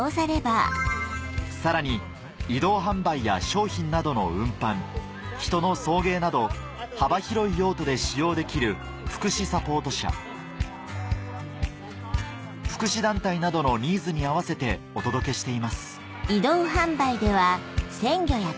さらに移動販売や商品などの運搬人の送迎など幅広い用途で使用できる福祉団体などのニーズに合わせてお届けしています